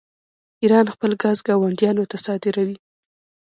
ایران خپل ګاز ګاونډیانو ته صادروي.